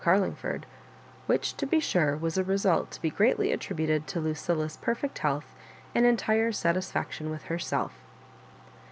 Carlingford; — ^which, to be sure, was a result to be greatly attributed to Lucilla's perfect health, and entire satisfaction with herself.